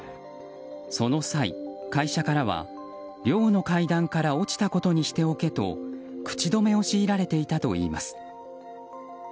その際、会社からは寮の階段から落ちたことにしておけと口止めを強いられていたといいます。